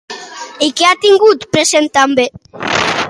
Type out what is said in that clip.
I què ha tingut present també?